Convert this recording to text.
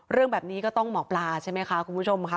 เรื่องแบบนี้ก็ต้องหมอปลาใช่ไหมคะคุณผู้ชมค่ะ